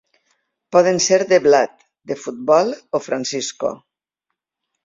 Poden ser de blat, de futbol o Francisco.